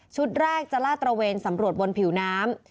แรกจะลาดตระเวนสำรวจบนผิวน้ำ